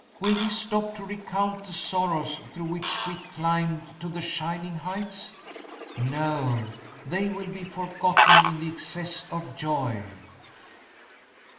Will we stop to recount the sorrows through which we climbed to the shining heights? No, they will be forgotten in the excess of joy!"